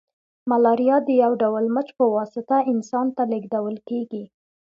ملاریا د یو ډول مچ په واسطه انسان ته لیږدول کیږي